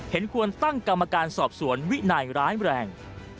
เห็นควรตั้งกรรมการสอบสวนวินัยร้ายแรง